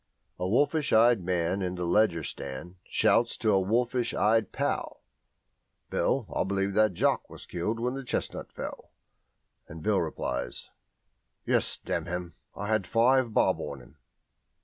A wolfish eyed man in the Leger stand shouts to a wolfish eyed pal, "Bill, I believe that jock was killed when the chestnut fell," and Bill replies, "Yes, damn him, I had five bob on him."